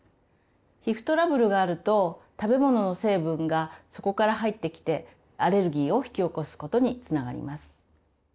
皮膚トラブルがあると食べ物の成分がそこから入ってきてアレルギーを引き起こすことにつながります。